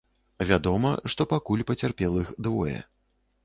Вядома, што пакуль пацярпелых двое.